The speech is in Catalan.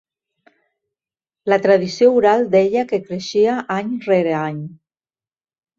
La tradició oral deia que creixia any rere any.